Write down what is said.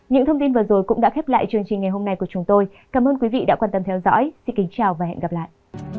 những thông tin vừa rồi cũng đã khép lại chương trình ngày hôm nay của chúng tôi cảm ơn quý vị đã quan tâm theo dõi xin kính chào và hẹn gặp lại